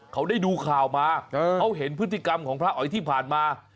เขาได้ดูข่าวมาเขาเห็นพฤติกรรมของพระอ๋อยที่ผ่านมา